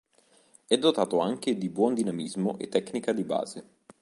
È dotato anche di buon dinamismo e tecnica di base.